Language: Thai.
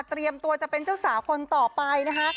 เตรียมตัวจะเป็นเจ้าสาวคนต่อไปนะฮะ